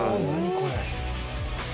これ」